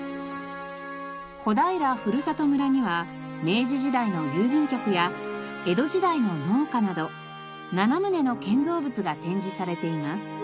小平ふるさと村には明治時代の郵便局や江戸時代の農家など７棟の建造物が展示されています。